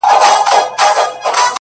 ستا د څوڼو ځنگلونه زمـا بــدن خـوري-